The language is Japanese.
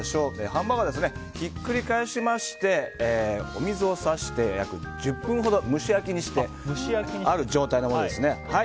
ハンバーグはひっくり返しましてお水をさして約１０分ほど蒸し焼きにしてある状態のものです。